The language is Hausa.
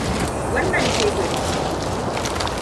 Wannan teburi ne.